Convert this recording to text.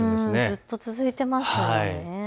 ずっと続いていますね。